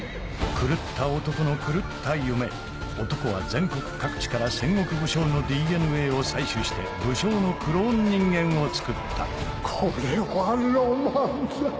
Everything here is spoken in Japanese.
狂った男の狂った夢男は全国各地から戦国武将のＤＮＡを採取して武将のクローン人間をつくったこれはロマンだ。